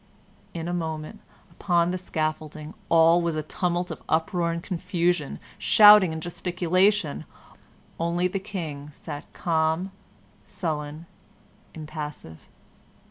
In a moment, upon the scaffolding all was a tumult of uproar and confusion, shouting and gesticulation; only the King sat calm, sullen, impassive.